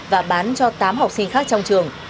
và bán cho tám học sinh khác trong trường